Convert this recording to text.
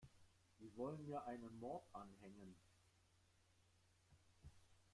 Die wollen mir einen Mord anhängen.